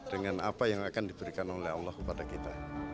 dengan apa yang akan diberikan oleh allah kepada kita